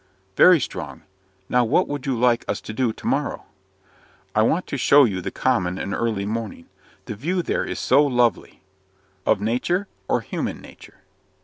"Very strong. Now what would you like us to do tomorrow?" "I want to show you the common in early morning the view there is so lovely." "Of Nature, or human nature?"